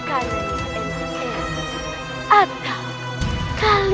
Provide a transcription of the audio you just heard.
kalian carikan aku makan